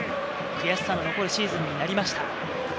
悔しさの残るシーズンになりました。